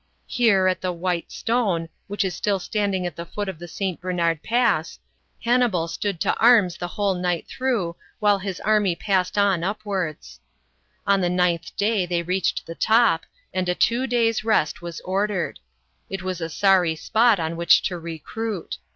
Here, at the "white stone," which is still standing at the foot of the St Bernard Pass, Hannibal stood to arms the whole night through, while his army passed on upwards. On the ninth day, they reached the top, and a two days' rest was ordered. It was a sorry spot on which to recruit.